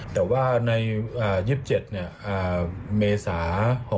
แต่ว่าใน๒๗เมษา๖๖